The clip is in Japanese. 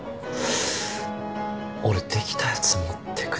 俺できたやつ持ってくだけ。